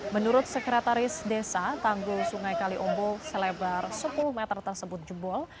menurut sekretaris desa tanggul sungai kaliombo selebar sepuluh meter tersebut jebol